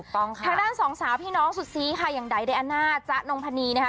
ถ้าด้านสองสาวพี่น้องสุศีค่ะอย่างใดไดอาน่าจ๊ะน้องพะนีนะคะ